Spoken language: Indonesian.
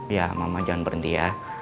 ya mama jangan berhenti ya